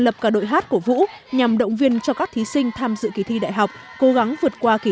lập cả đội hát cổ vũ nhằm động viên cho các thí sinh tham dự kỳ thi đại học cố gắng vượt qua kỳ